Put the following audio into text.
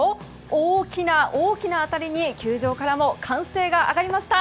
大きな大きな当たりに球場からも歓声が上がりました